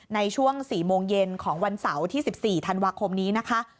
ในช่วง๔โมงเย็นของวันเสาร์ที่๑๔ธันวาคมนี้นะคะ